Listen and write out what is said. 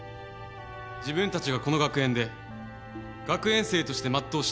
自分たちがこの学園で学園生として全うしたい。